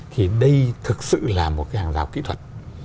thì đây thực sự là một cái hàng rào kỹ thuật